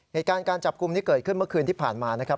เหตุการณ์การจับกลุ่มนี้เกิดขึ้นเมื่อคืนที่ผ่านมานะครับ